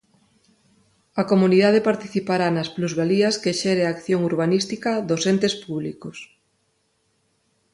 A comunidade participará nas plusvalías que xere a acción urbanística dos entes públicos.